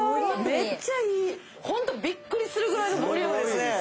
メッチャいいホントビックリするぐらいのボリュームですね